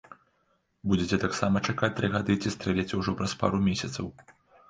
Будзеце таксама чакаць тры гады ці стрэліце ўжо праз пару месяцаў?